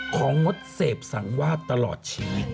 งดเสพสังวาดตลอดชีวิต